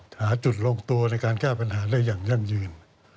หาจุดลงตัวในการแก้ปัญหาได้อย่างยั่งยืน